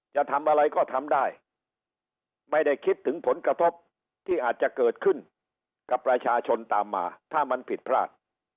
จะทำอะไรก็ทำได้ไม่ได้คิดถึงผลกระทบที่อาจจะเกิดขึ้นกับประชาชนตามมาถ้ามันผิดพลาด